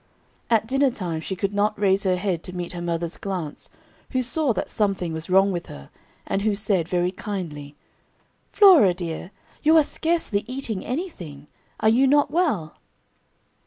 At dinner time she could not raise her head to meet her mother's glance, who saw that something was wrong with her, and who said very kindly, "Flora, dear, you are scarcely eating anything are you not well?"